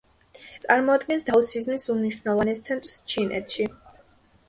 წარმოადგენს დაოსიზმის უმნიშვნელოვანეს ცენტრს ჩინეთში.